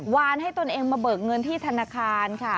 วานให้ตนเองมาเบิกเงินที่ธนาคารค่ะ